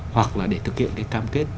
hoặc là để thực hiện cái cam kết